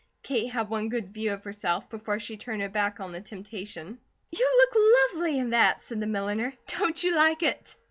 Kate had one good view of herself, before she turned her back on the temptation. "You look lovely in that," said the milliner. "Don't you like it?"